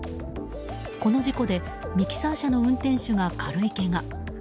この事故でミキサー車の運転手が軽いけが。